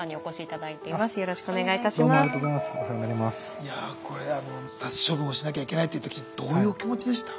いやあこれあの殺処分をしなきゃいけないっていう時どういうお気持ちでした？